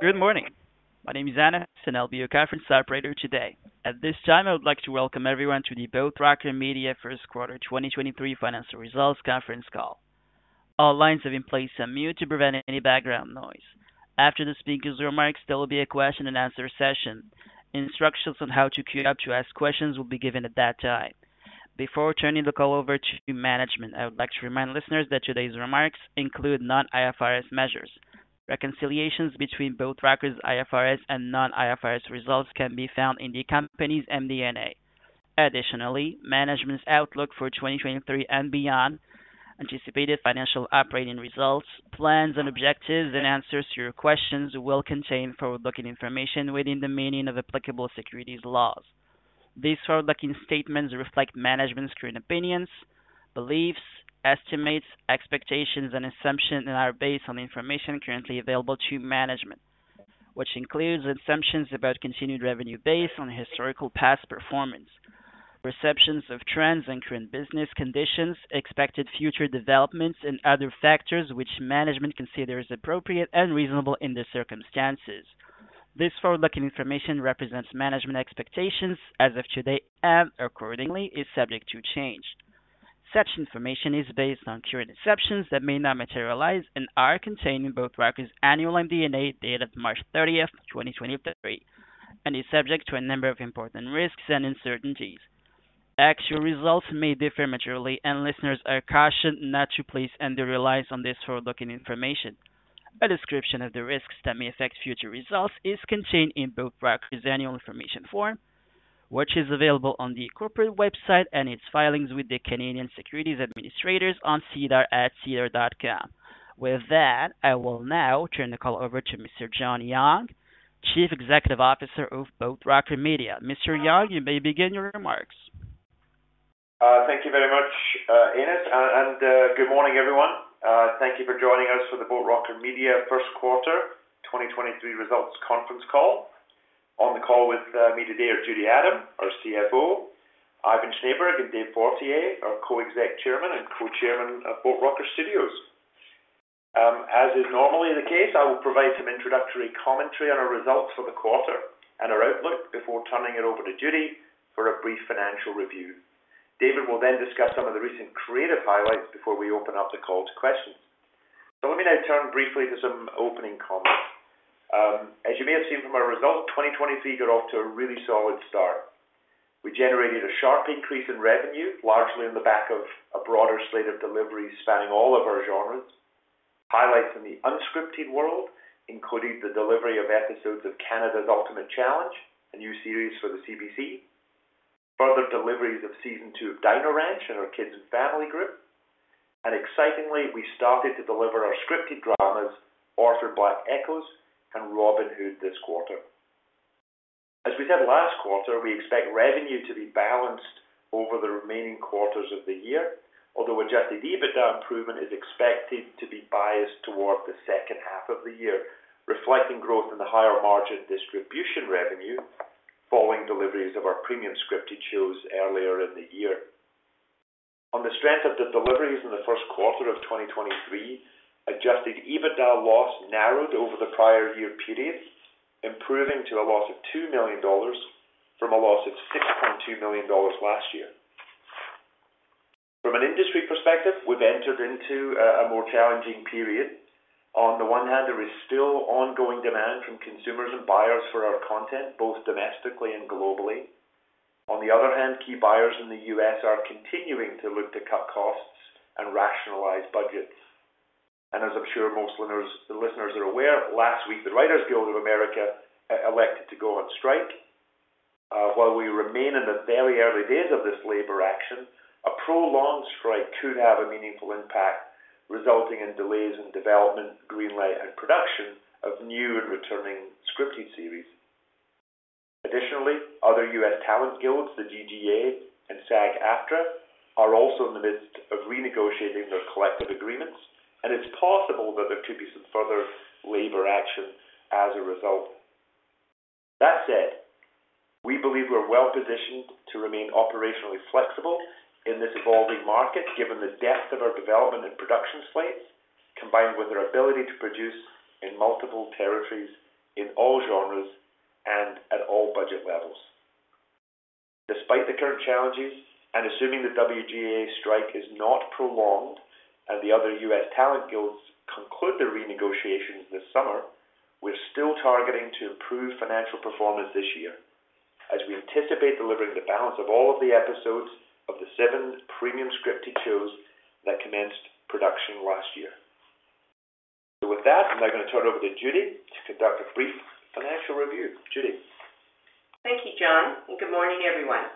Good morning. My name is Anna. I'll be your conference operator today. At this time, I would like to welcome everyone to the Boat Rocker Media first quarter 2023 financial results conference call. All lines have been placed on mute to prevent any background noise. After the speaker's remarks, there will be a question-and-answer session. Instructions on how to queue up to ask questions will be given at that time. Before turning the call over to management, I would like to remind listeners that today's remarks include non-IFRS measures. Reconciliations between Boat Rocker's IFRS and non-IFRS results can be found in the company's MD&A. Additionally, management's outlook for 2023 and beyond, anticipated financial operating results, plans, and objectives and answers to your questions will contain forward-looking information within the meaning of applicable securities laws. These forward-looking statements reflect management's current opinions, beliefs, estimates, expectations, and assumptions, and are based on the information currently available to management, which includes assumptions about continued revenue based on historical past performance, perceptions of trends and current business conditions, expected future developments, and other factors which management considers appropriate and reasonable in the circumstances. This forward-looking information represents management expectations as of today and accordingly is subject to change. Such information is based on current assumptions that may not materialize and are contained in Boat Rocker's annual MD&A dated March 30, 2023, and is subject to a number of important risks and uncertainties. Actual results may differ materially, and listeners are cautioned not to place undue reliance on this forward-looking information. A description of the risks that may affect future results is contained in Boat Rocker's Annual Information Form, which is available on the corporate website and its filings with the Canadian Securities Administrators on SEDAR at sedar.com. With that, I will now turn the call over to Mr. John Young, Chief Executive Officer of Boat Rocker Media. Mr. Young, you may begin your remarks. Thank you very much, and good morning, everyone. Thank you for joining us for the Boat Rocker Media first quarter 2023 results conference call. On the call with me today are Judy Adam, our CFO, Ivan Schneeberg and David Fortier, our Co-Exec Chairmen and Co-Chairman of Boat Rocker Studios. As is normally the case, I will provide some introductory commentary on our results for the quarter and our outlook before turning it over to Judy for a brief financial review. David will then discuss some of the recent creative highlights before we open up the call to questions. Let me now turn briefly to some opening comments. As you may have seen from our results, 2023 got off to a really solid start. We generated a sharp increase in revenue, largely on the back of a broader slate of deliveries spanning all of our genres. Highlights in the unscripted world included the delivery of episodes of Canada's Ultimate Challenge, a new series for the CBC, further deliveries of Season 2 of Dino Ranch in our kids and family group. Excitingly, we started to deliver our scripted dramas, Orphan Black: Echoes and Robyn Hood this quarter. As we said last quarter, we expect revenue to be balanced over the remaining quarters of the year, although adjusted EBITDA improvement is expected to be biased towards the second half of the year, reflecting growth in the higher margin distribution revenue following deliveries of our premium scripted shows earlier in the year. On the strength of the deliveries in the first quarter of 2023, adjusted EBITDA loss narrowed over the prior year periods, improving to a loss of $2 million from a loss of $6.2 million last year. From an industry perspective, we've entered into a more challenging period. On the one hand, there is still ongoing demand from consumers and buyers for our content, both domestically and globally. On the other hand, key buyers in the U.S. are continuing to look to cut costs and rationalize budgets. As I'm sure most listeners are aware, last week, the Writers Guild of America elected to go on strike. While we remain in the very early days of this labor action, a prolonged strike could have a meaningful impact, resulting in delays in development, green light, and production of new and returning scripted series. Additionally, other U.S. talent guilds, the DGA and SAG-AFTRA, are also in the midst of renegotiating their collective agreements, and it's possible that there could be some further labor action as a result. That said, we believe we're well-positioned to remain operationally flexible in this evolving market, given the depth of our development and production slates, combined with our ability to produce in multiple territories in all genres and at all budget levels. Despite the current challenges, and assuming the WGA strike is not prolonged and the other U.S. talent guilds conclude their renegotiations this summer, we're still targeting to improve financial performance this year as we anticipate delivering the balance of all of the episodes of the seven premium scripted shows that commenced production last year. With that, I'm now gonna turn it over to Judy to conduct a brief financial review. Judy. Thank you, John, and good morning, everyone.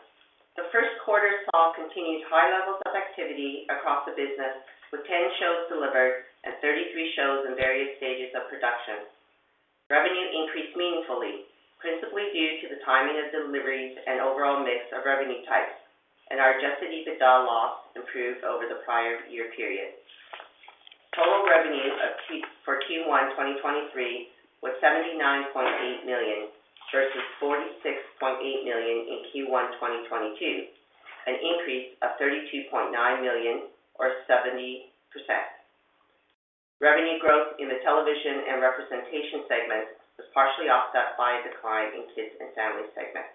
The first quarter saw continued high levels of activity across the business, with 10 shows delivered and 33 shows in various stages of production. Revenue increased meaningfully, principally due to the timing of deliveries and overall mix of revenue types, and our adjusted EBITDA loss improved over the prior year period. Total revenues for Q1 2023 was CAD 79 Million versus CAD 46.8 million in Q1 2022, an increase of CAD 32.9 million or 70%. Revenue growth in the television and representation segment was partially offset by a decline in Kids and Family segment.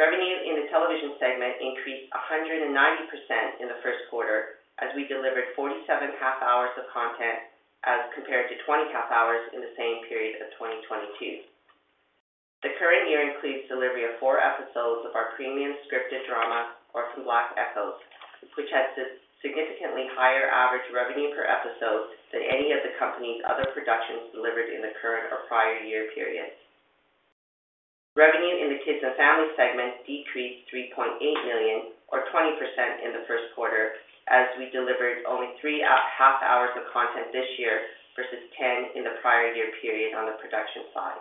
Revenue in the television segment increased 190% in the first quarter as we delivered 47 half hours of content as compared to 20 half hours in the same period of 2022. The current year includes delivery of 4 episodes of our premium scripted drama, Orphan Black: Echoes, which has a significantly higher average revenue per episode than any of the company's other productions delivered in the current or prior year periods. Revenue in the Kids and Family segment decreased 3.8 million or 20% in the first quarter as we delivered only 3 half hours of content this year versus 10 in the prior year period on the production side.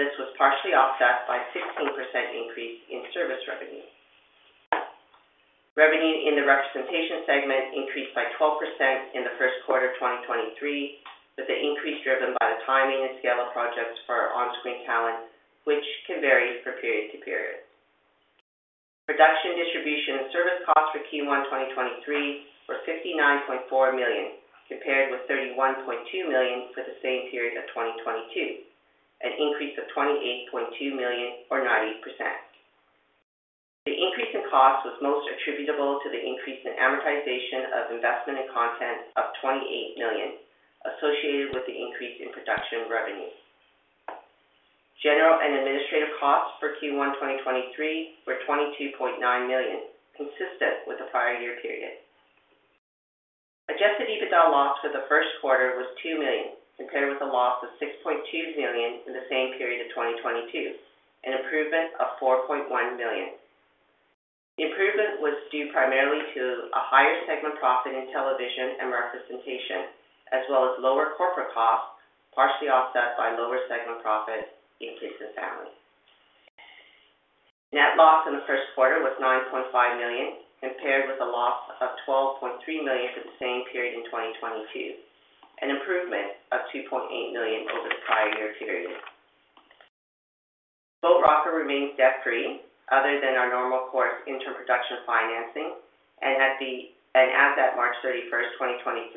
This was partially offset by a 16% increase in service revenue. Revenue in the representation segment increased by 12% in the first quarter of 2023, with the increase driven by the timing and scale of projects for our on-screen talent, which can vary from period to period. Production distribution service costs for Q1 2023 were 59.4 million, compared with 31.2 million for the same period of 2022, an increase of 28.2 million or 90%. The increase in cost was most attributable to the increase in amortization of investment in content of CAD 28 million associated with the increase in production revenue. General and administrative costs for Q1 2023 were CAD 22.9 million, consistent with the prior year period. Adjusted EBITDA loss for the first quarter was 2 million, compared with a loss of 6.2 million in the same period of 2022, an improvement of 4.1 million. The improvement was due primarily to a higher segment profit in television and representation, as well as lower corporate costs, partially offset by lower segment profit in Kids and Family. Net loss in the first quarter was 9.5 million, compared with a loss of 12.3 million for the same period in 2022, an improvement of 2.8 million over the prior year period. Boat Rocker remains debt-free other than our normal course inter-production financing as at March 31, 2023,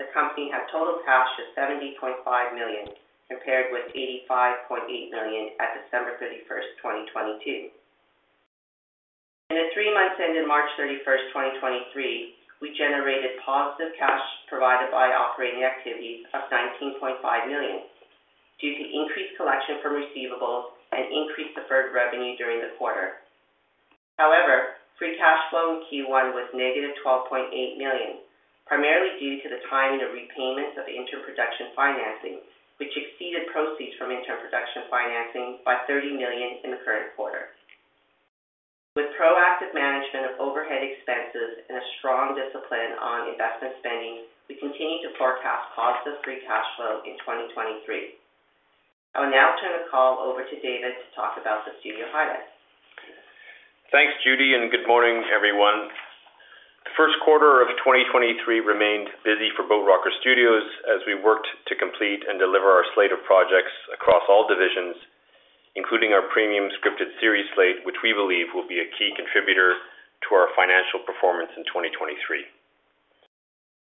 the company had total cash of CAD 70.5 million, compared with CAD 85.8 million at December 31, 2022. In the three months ending March 31, 2023, we generated positive cash provided by operating activities of 19.5 million due to increased collection from receivables and increased deferred revenue during the quarter. However, free cash flow in Q1 was negative 12.8 million, primarily due to the timing of repayments of inter-production financing, which exceeded proceeds from inter-production financing by 30 million in the current quarter. With proactive management of overhead expenses and a strong discipline on investment spending, we continue to forecast positive free cash flow in 2023. I will now turn the call over to David to talk about the studio highlights. Thanks, Judy, good morning, everyone. The first quarter of 2023 remained busy for Boat Rocker Studios as we worked to complete and deliver our slate of projects across all divisions, including our premium scripted series slate, which we believe will be a key contributor to our financial performance in 2023.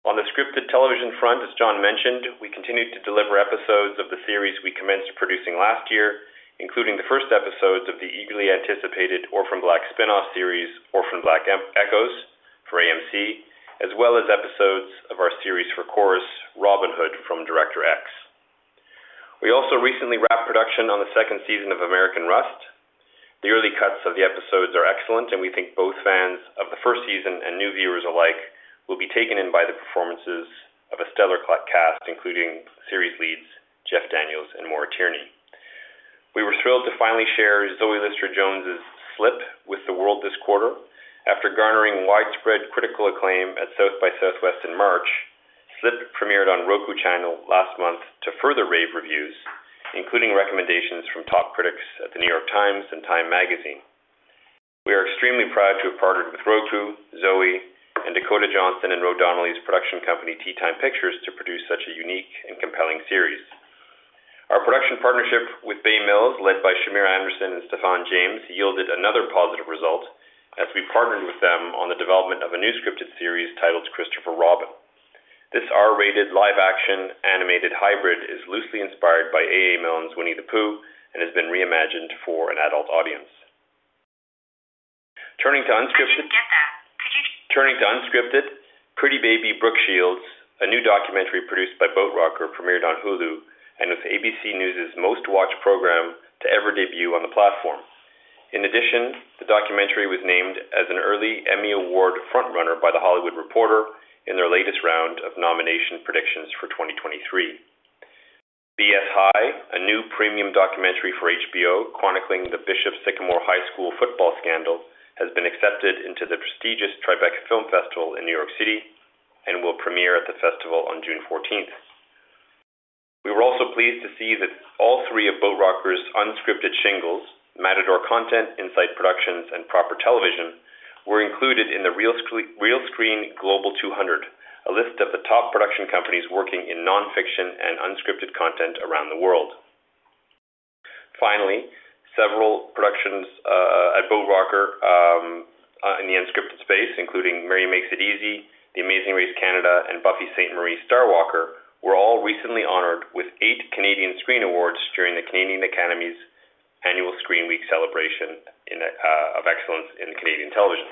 On the scripted television front, as John mentioned, we continued to deliver episodes of the series we commenced producing last year, including the first episodes of the eagerly anticipated Orphan Black spinoff series, Orphan Black: Echoes for AMC, as well as episodes of our series for Corus, Robyn Hood from Director X. We also recently wrapped production on the second season of American Rust. The early cuts of the episodes are excellent, and we think both fans of the first season and new viewers alike will be taken in by the performances of a stellar cast, including series leads Jeff Daniels and Maura Tierney. We were thrilled to finally share Zoe Lister-Jones's Slip with the world this quarter. After garnering widespread critical acclaim at South by Southwest in March, Slip premiered on Roku Channel last month to further rave reviews, including recommendations from top critics at The New York Times and TIME. We are extremely proud to have partnered with Roku, Zoe, and Dakota Johnson and Ro Donnelly's production company, TeaTime Pictures, to produce such a unique and compelling series. Our production partnership with Bay Mills, led by Shamier Anderson and Stephan James, yielded another positive result as we partnered with them on the development of a new scripted series titled Christopher Robin. This R-rated live-action animated hybrid is loosely inspired by A.A. Milne's Winnie-the-Pooh and has been reimagined for an adult audience. Turning to unscripted turning to unscripted, Pretty Baby: Brooke Shields, a new documentary produced by Boat Rocker, premiered on Hulu and was ABC News' most-watched program to ever debut on the platform. In addition, the documentary was named as an early Emmy Award frontrunner by The Hollywood Reporter in their latest round of nomination predictions for 2023. BS High, a new premium documentary for HBO chronicling the Bishop Sycamore High School football scandal, has been accepted into the prestigious Tribeca Film Festival in New York City and will premiere at the festival on June 14th.We were also pleased to see that all three of Boat Rocker's unscripted shingles, Matador Content, Insight Productions, and Proper Television, were included in the Realscreen Global 200 list of the top production companies working in non-fiction and unscripted content around the world. Finally, several productions, at Boat Rocker, in the unscripted space, including Mary Makes It Easy, The Amazing Race Canada, and Buffy Sainte-Marie: Starwalker were all recently honored with 8 Canadian Screen Awards during the Canadian Academy's annual Canadian Screen Week celebration of excellence in Canadian television.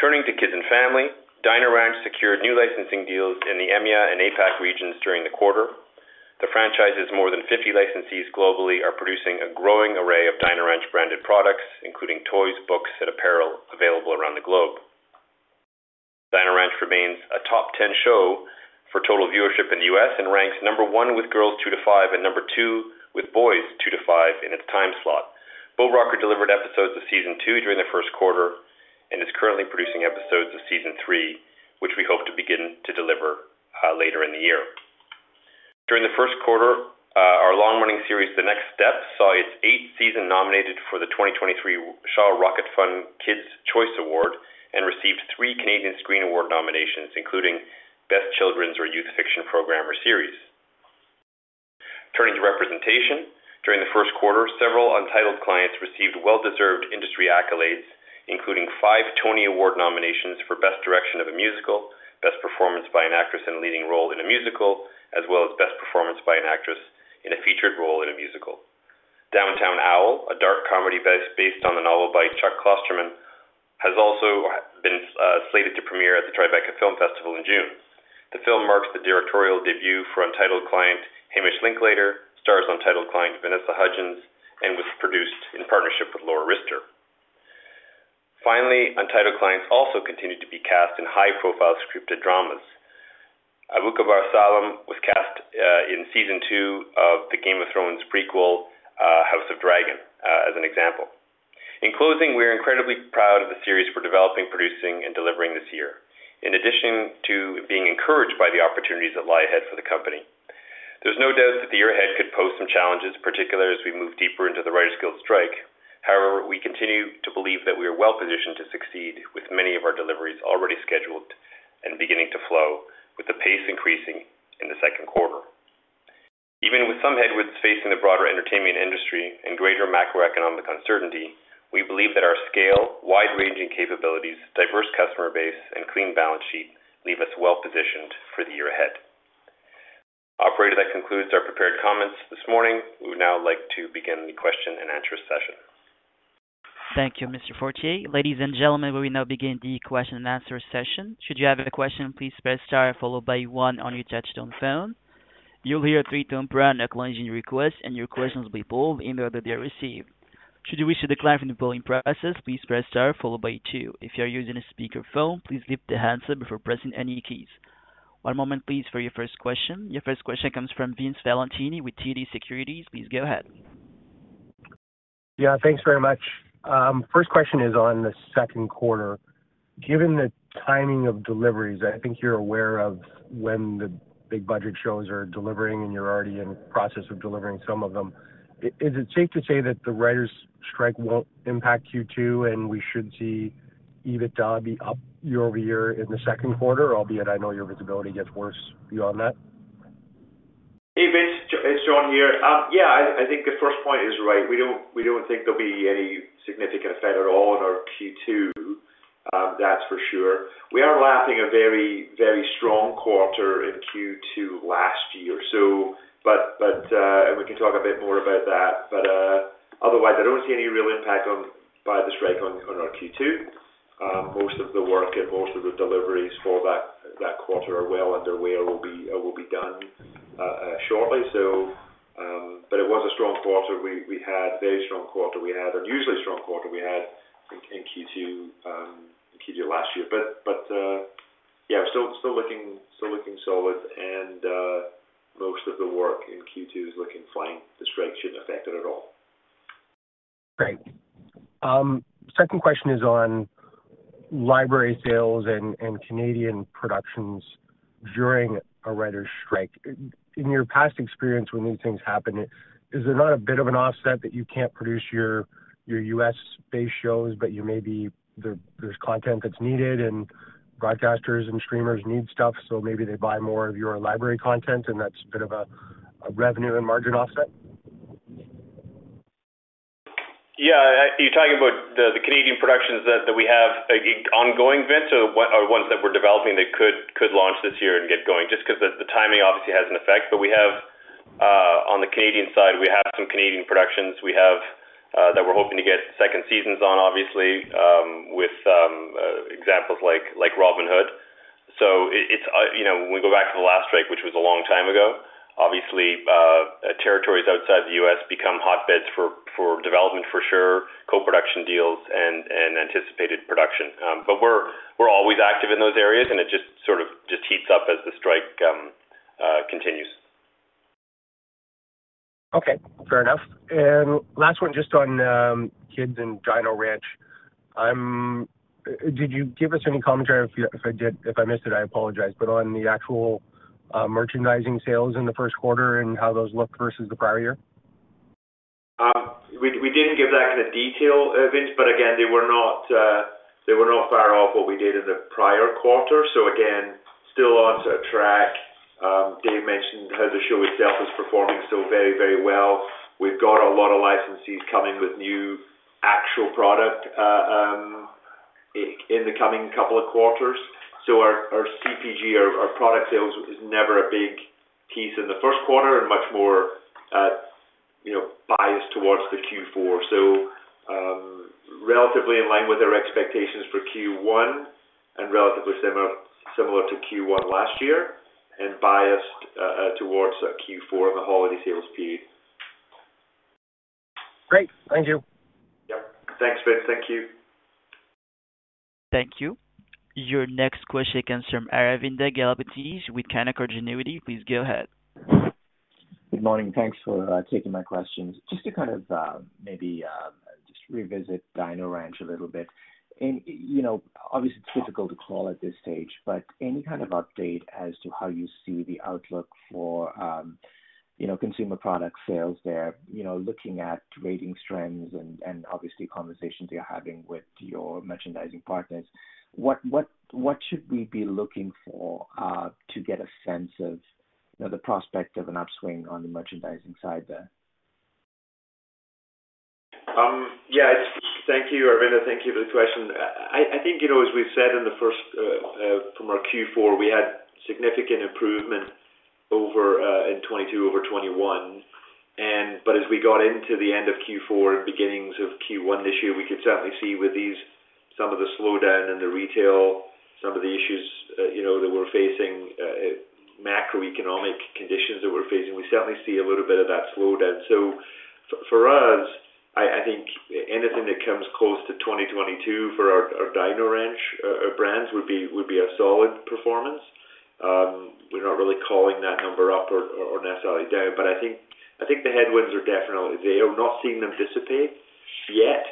Turning to kids and family, Dino Ranch secured new licensing deals in the EMEA and APAC regions during the quarter. The franchise's more than 50 licensees globally are producing a growing array of Dino Ranch branded products, including toys, books, and apparel available around the globe. Dino Ranch remains a top 10 show for total viewership in the U.S. and ranks number 1 with girls 2 to 5 and number 2 with boys 2 to 5 in its time slot. Boat Rocker delivered episodes of season 2 during the first quarter and is currently producing episodes of season 3, which we hope to begin to deliver later in the year. During the first quarter, our long-running series, The Next Step, saw its 8th season nominated for the 2023 Shaw Rocket Fund Kids' Choice Award and received three Canadian Screen Award nominations, including Best Children's or Youth Fiction Program or Series. Turning to representation, during the first quarter, several Untitled clients received well-deserved industry accolades, including five Tony Award nominations for Best Direction of a Musical, Best Performance by an Actress in a Leading Role in a Musical, as well as Best Performance by an Actress in a Featured Role in a Musical. Downtown Owl, a dark comedy based on the novel by Chuck Klosterman, has also been slated to premiere at the Tribeca Film Festival in June. The film marks the directorial debut for Untitled client Hamish Linklater, stars Untitled client Vanessa Hudgens, and was produced in partnership with Laura Riester. Untitled clients also continued to be cast in high-profile scripted dramas. Abubakar Salim was cast in season 2 of the Game of Thrones prequel, House of the Dragon, as an example. In closing, we are incredibly proud of the series we're developing, producing, and delivering this year. In addition to being encouraged by the opportunities that lie ahead for the company. There's no doubt that the year ahead could pose some challenges, particularly as we move deeper into the Writers Guild strike. However, we continue to believe that we are well-positioned to succeed with many of our deliveries already scheduled and beginning to flow, with the pace increasing in the second quarter. Even with some headwinds facing the broader entertainment industry and greater macroeconomic uncertainty, we believe that our scale, wide-ranging capabilities, diverse customer base, and clean balance sheet leave us well-positioned for the year ahead. Operator, that concludes our prepared comments this morning. We would now like to begin the Q&A session. Thank you, Mr. Fortier. Ladies and gentlemen, we will now begin the question and answer session. Should you have a question, please press star followed by 1 on your touchtone phone. You'll hear a three-tone prompt acknowledging your request, and your question will be pulled in the order they are received. Should you wish to decline from the polling process, please press star followed by 2. If you are using a speakerphone, please lift the handset before pressing any keys. 1 moment please for your first question. Your first question comes from Vince Valentini with TD Securities. Please go ahead. Thanks very much. First question is on the second quarter. Given the timing of deliveries, I think you're aware of when the big budget shows are delivering, and you're already in process of delivering some of them. Is it safe to say that the writers strike won't impact Q2, and we should see EBITDA be up year-over-year in the second quarter? Albeit I know your visibility gets worse beyond that. Hey, Vince. It's John here. Yeah, I think the first point is right. We don't think there'll be any significant effect at all on our Q2, that's for sure. We are lapping a very, very strong quarter in Q2 last year. We can talk a bit more about that. Otherwise, I don't see any real impact by the strike on our Q2. Most of the work and most of the deliveries for that quarter are well underway or will be done shortly. It was a strong quarter. We had very strong quarter. We had an unusually strong quarter. We had in Q2 last year. Yeah, still looking solid and most of the work in Q2 is looking fine. The strike shouldn't affect it at all. Great. Second question is on library sales and Canadian productions during a Writers strike. In your past experience when these things happen, is there not a bit of an offset that you can't produce your U.S.-based shows, but there's content that's needed and broadcasters and streamers need stuff, so maybe they buy more of your library content, and that's a bit of a revenue and margin offset? Yeah. You're talking about the Canadian productions that we have, like, ongoing, Vince, or ones that we're developing that could launch this year and get going just 'cause the timing obviously has an effect. We have on the Canadian side, we have some Canadian productions that we're hoping to get second seasons on, obviously, with some examples like Robyn Hood. It's, you know, when we go back to the last strike, which was a long time ago, obviously, territories outside the U.S. become hotbeds for development for sure, co-production deals and anticipated production. We're always active in those areas, and it just sort of heats up as the strike continues. Okay. Fair enough. Last one, just on kids and Dino Ranch. Did you give us any commentary If I missed it, I apologize, but on the actual merchandising sales in the first quarter and how those look versus the prior year? We didn't give that kind of detail, Vince. Again, they were not far off what we did in the prior quarter. Again, still on sort of track. Dave mentioned how the show itself is performing still very, very well. We've got a lot of licensees coming with new actual product in the coming couple of quarters. Our CPG, our product sales is never a big piece in the first quarter and much more, you know, biased towards the Q4. Relatively in line with our expectations for Q1 and relatively similar to Q1 last year and biased towards Q4 and the holiday sales peak. Great. Thank you. Yep. Thanks, Vince. Thank you. Thank you. Your next question comes from Aravinda Galappatthige with Canaccord Genuity. Please go ahead. Good morning. Thanks for taking my questions. Just to kind of, maybe, just revisit Dino Ranch a little bit. You know, obviously it's difficult to call at this stage, but any kind of update as to how you see the outlook for, you know, consumer product sales there. You know, looking at rating trends and, obviously conversations you're having with your merchandising partners. What should we be looking for to get a sense of, you know, the prospect of an upswing on the merchandising side there? Yeah. Thank you, Aravinda Galappatthige. Thank you for the question. I think, you know, as we've said in the first from our Q4, we had significant improvement over in 2022 over 2021. As we got into the end of Q4 and beginnings of Q1 this year, we could certainly see with these, some of the slowdown in the retail, some of the issues, you know, that we're facing, macroeconomic conditions that we're facing, we certainly see a little bit of that slowdown. For us, I think anything that comes close to 2022 for our Dino Ranch brands would be a solid performance. We're not really calling that number up or necessarily down. I think the headwinds are definitely there. We're not seeing them dissipate yet.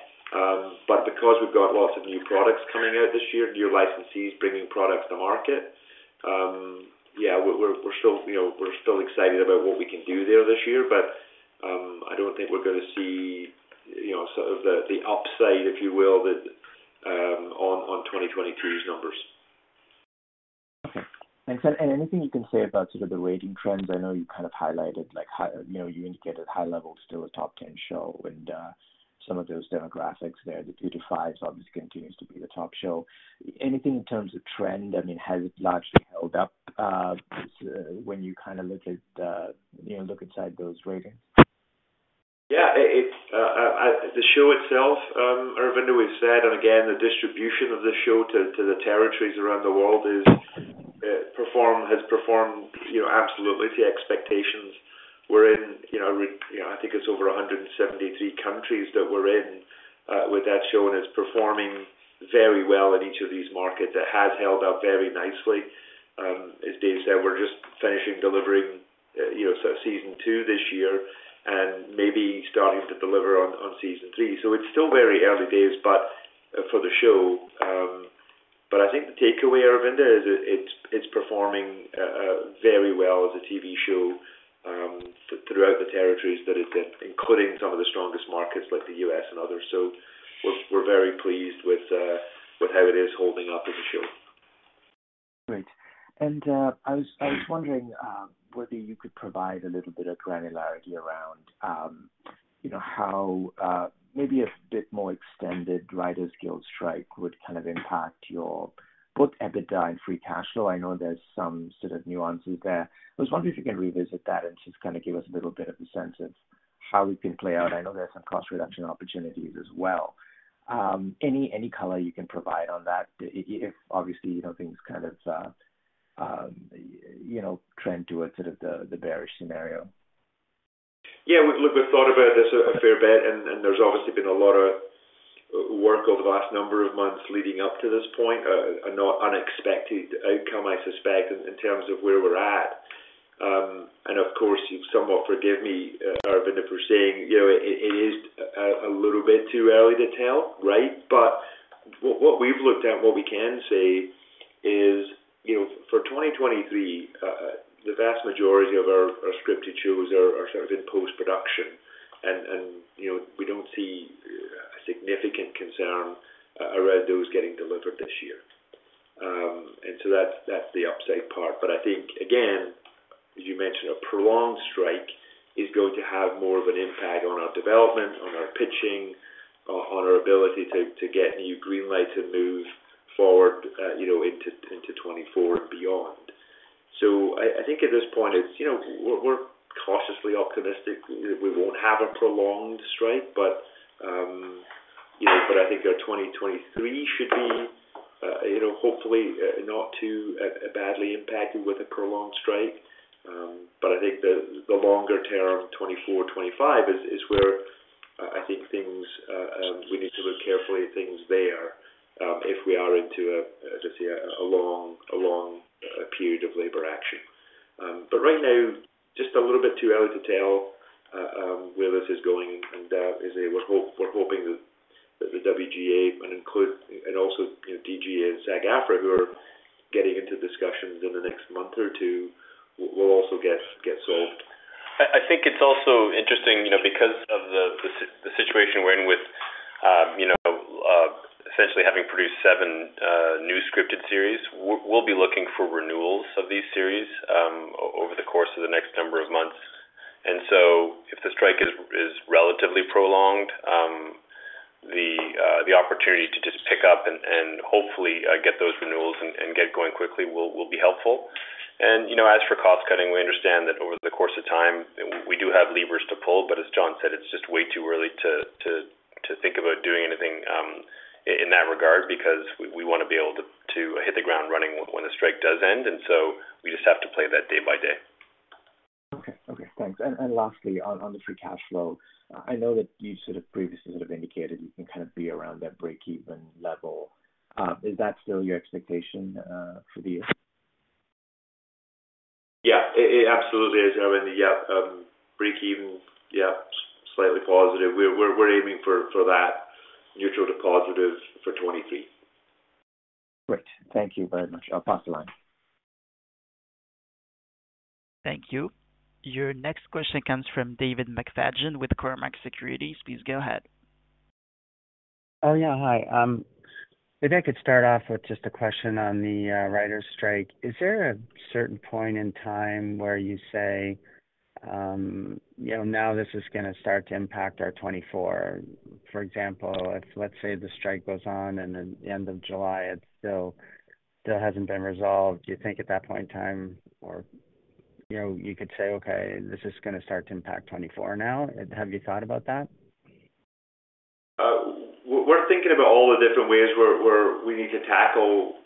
Because we've got lots of new products coming out this year, new licensees bringing products to market, we're still, you know, excited about what we can do there this year. I don't think we're gonna see, you know, sort of the upside, if you will, that on 2023's numbers. Okay. Thanks. Anything you can say about sort of the rating trends? I know you kind of highlighted like how, you know, you indicated high levels, still a top 10 show and some of those demographics there, the 2 to 5 obviously continues to be the top show. Anything in terms of trend? I mean, has it largely held up when you kind of look at, you know, look inside those ratings? Yeah. It's the show itself, Aravinda, we've said and again, the distribution of the show to the territories around the world has performed, you know, absolutely to expectations. We're in, I think it's over 173 countries that we're in with that show, and it's performing very well in each of these markets. It has held up very nicely. As Dave said, we're just finishing delivering season two this year and maybe starting to deliver on season three. It's still very early days, but for the show. I think the takeaway, Aravinda, is it's performing very well as a TV show throughout the territories that it's in, including some of the strongest markets like the U.S. and others. We're very pleased with how it is holding up as a show. Great. I was wondering, whether you could provide a little bit of granularity around, you know, how maybe a bit more extended Writers Guild strike would impact your both EBITDA and free cash flow. I know there's some nuances there. I was wondering if you can revisit that and just give us a little bit of a sense of how it can play out. I know there's some cost reduction opportunities as well. Any color you can provide on that if obviously, you know, things trend towards the bearish scenario? Yeah. Look, we've thought about this a fair bit, there's obviously been a lot of work over the last number of months leading up to this point. A not unexpected outcome, I suspect, in terms of where we're at. Of course, you somewhat forgive me, Aravinda Galappatthige, for saying it is a little bit too early to tell, right? What we've looked at, what we can say is, you know, for 2023, the vast majority of our scripted shows are sort of in post-production. We don't see a significant concern around those getting delivered this year. That's the upside part. I think again, as you mentioned, a prolonged strike is going to have more of an impact on our development, on our pitching, on our ability to get new green lights and move forward, you know, into 2024 and beyond. I think at this point it's, you know, we're cautiously optimistic we won't have a prolonged strike. I think our 2023 should be, you know, hopefully not too badly impacted with a prolonged strike. I think the longer term, 2024, 2025 is where I think things, we need to look carefully at things there, if we are into a, let's say a long period of labor action. Right now, just a little bit too early to tell where this is going and as I say, we're hoping that the WGA and also DGA and SAG-AFTRA who are getting into discussions in the next month or two will also get solved. I think it's also interesting, you know, because of the situation we're in with, you know, essentially having produced 7 new scripted series. We'll be looking for renewals of these series over the course of the next number of months. If the strike is relatively prolonged, the opportunity to just pick up and hopefully get those renewals and get going quickly will be helpful. As for cost cutting, we understand that over the course of time we do have levers to pull. As John said, it's just way too early to think about doing anything in that regard because we wanna be able to hit the ground running when the strike does end. We just have to play that day by day. Okay, thanks. Lastly on the free cash flow. I know that you sort of previously sort of indicated you can kind of be around that breakeven level. Is that still your expectation for the year? Yeah. It absolutely is. I mean, yeah, breakeven, yeah, slightly positive. We're aiming for that neutral to positive for 23. Great. Thank you very much. I'll pass the line. Thank you. Your next question comes from David McFadgen with Cormark Securities. Please go ahead. Oh, yeah. Hi. maybe I could start off with just a question on the writers strike. Is there a certain point in time where you say, you know, now this is gonna start to impact our 2024? For example, if let's say, the strike goes on and then the end of July it's still hasn't been resolved, do you think at that point in time or, you know, you could say, "Okay, this is gonna start to impact 2024 now." Have you thought about that? We're thinking about all the different ways where we need to tackle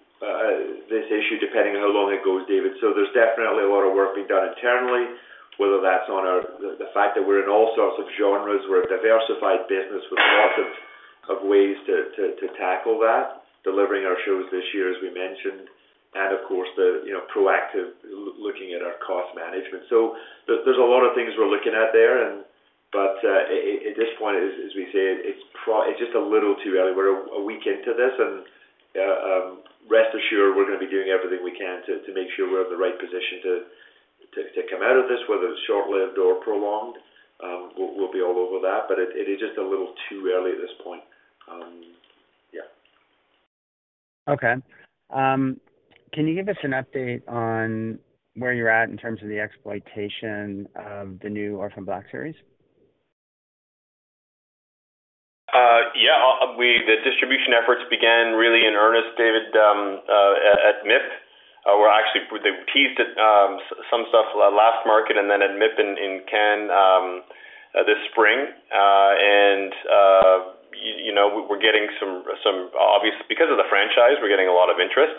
this issue depending on how long it goes, David. There's definitely a lot of work being done internally, whether that's on our the fact that we're in all sorts of genres. We're a diversified business with lots of ways to tackle that, delivering our shows this year as we mentioned. Of course the, you know, proactive looking at our cost management. There, there's a lot of things we're looking at there. At this point as we say, it's just a little too early. We're a week into this and rest assured we're gonna be doing everything we can to make sure we're in the right position to come out of this, whether it's short-lived or prolonged. We'll be all over that, but it is just a little too early at this point. Yeah. Okay. Can you give us an update on where you're at in terms of the exploitation of the new Orphan Black series? Yeah. The distribution efforts began really in earnest, David, at MIP. We're actually they teased at some stuff last market and then at MIP in Cannes this spring. You know, because of the franchise, we're getting a lot of interest.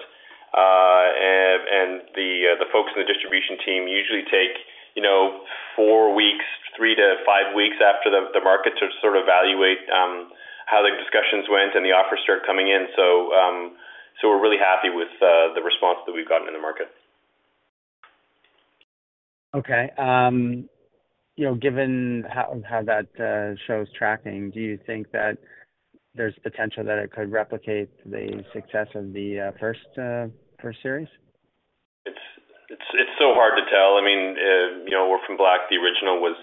The folks in the distribution team usually take, you know, four weeks, 3-5 weeks after the market to sort of evaluate how the discussions went and the offers start coming in. We're really happy with the response that we've gotten in the market. Okay. you know, given how that show's tracking, do you think that there's potential that it could replicate the success of the first series? It's so hard to tell. I mean Orphan Black, the original was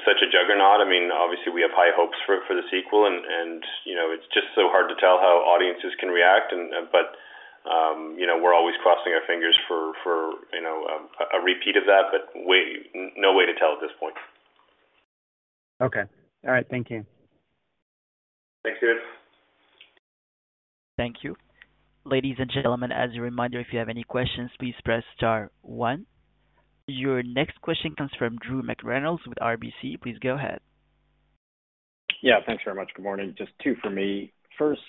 such a juggernaut. I mean, obviously we have high hopes for the sequel and, you know, it's just so hard to tell how audiences can react and, but, you know, we're always crossing our fingers for a repeat of that, but no way to tell at this point. Okay. All right. Thank you. Thanks, David. Thank you. Ladies and gentlemen, as a reminder, if you have any questions, please press star one. Your next question comes from Drew McReynolds with RBC. Please go ahead. Yeah, thanks very much. Good morning. Just two for me. First,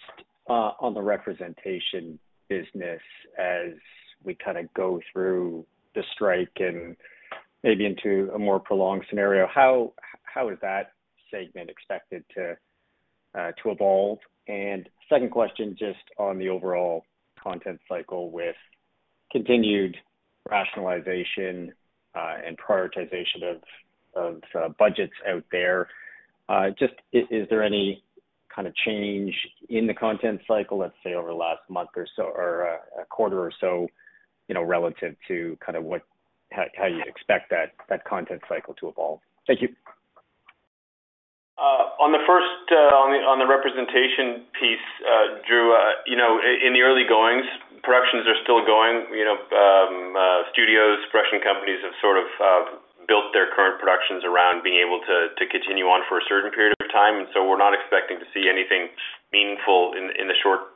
on the representation business as we kinda go through the strike and maybe into a more prolonged scenario, how is that segment expected to evolve? Second question, just on the overall content cycle with continued rationalization and prioritization of budgets out there. Just is there any kinda change in the content cycle, let's say over the last month or so or a quarter or so relative to kind of how you expect that content cycle to evolve? Thank you. On the first, on the representation piece, Drew in the early goings, productions are still going studios, production companies have sort of built their current productions around being able to continue on for a certain period of time. We're not expecting to see anything meaningful in the short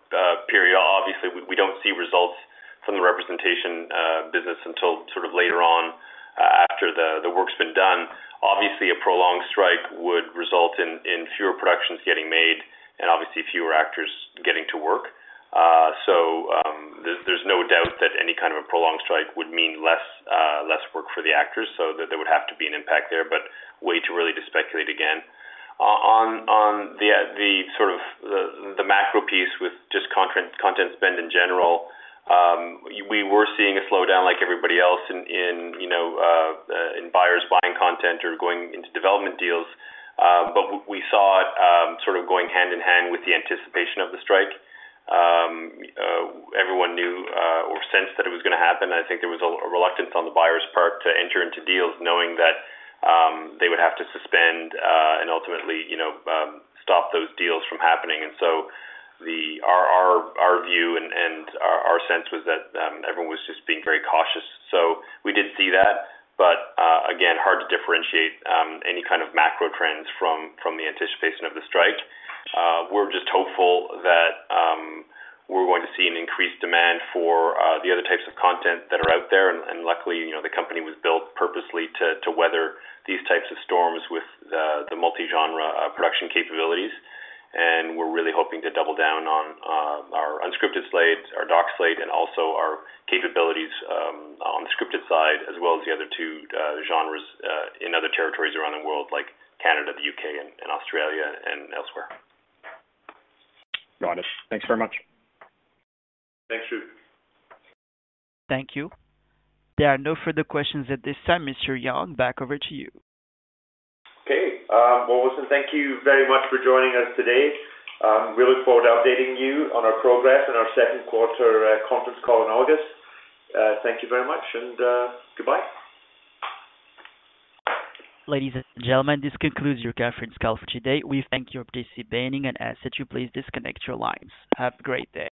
period. Obviously, we don't see results from the representation business until sort of later on, after the work's been done. Obviously, a prolonged strike would result in fewer productions getting made and obviously fewer actors getting to work. There's no doubt that any kind of a prolonged strike would mean less work for the actors. There would have to be an impact there, but way too early to speculate again. On the sort of the macro piece with just content spend in general, we were seeing a slowdown like everybody else in buyers buying content or going into development deals. We saw it sort of going hand in hand with the anticipation of the strike. Everyone knew or sensed that it was gonna happen. I think there was a reluctance on the buyer's part to enter into deals knowing that they would have to suspend and ultimately stop those deals from happening. Our view and our sense was that everyone was just being very cautious. We did see that, but again, hard to differentiate any kind of macro trends from the anticipation of the strike. We're just hopeful that we're going to see an increased demand for the other types of content that are out there. Luckily the company was built purposely to weather these types of storms with the multi-genre production capabilities. We're really hoping to double down on our unscripted slates, our doc slate, and also our capabilities on the scripted side as well as the other two genres in other territories around the world like Canada, the U.K. and Australia and elsewhere. Got it. Thanks very much. Thanks, Drew. Thank you. There are no further questions at this time. Mr. Young, back over to you. Listen, thank you very much for joining us today. We look forward to updating you on our progress in our 2nd quarter conference call in August. Thank you very much and goodbye. Ladies and gentlemen, this concludes your conference call for today. We thank you for participating and ask that you please disconnect your lines. Have a great day.